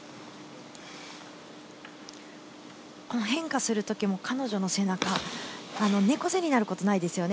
変化する時も彼女の背中は、猫背になることがないですよね。